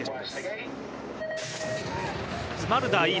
スマルダー